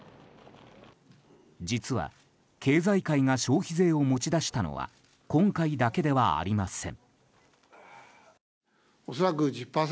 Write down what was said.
実は、経済界が消費税を持ち出したのは今回だけではありません。